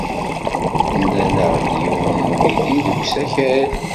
Mlaleɣ-d yiwen n umidi deg usakal.